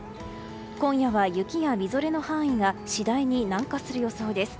今夜は雪やみぞれの範囲が次第に南下する予想です。